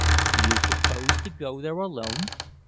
"You propose to go there alone?"